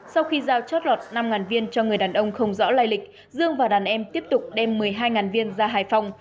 sau khi giao chót lọt năm viên cho người đàn ông không rõ lai lịch dương và đàn em tiếp tục đem một mươi hai viên ra hải phòng